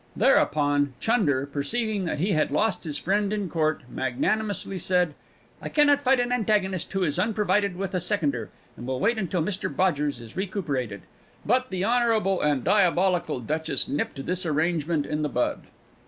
Thereupon Chunder, perceiving that he had lost his friend in court, magnanimously said: "I cannot fight an antagonist who is unprovided with a seconder, and will wait until Mr Bodgers is recuperated." But the honourable and diabolical duchess nipped this arrangement in the bud.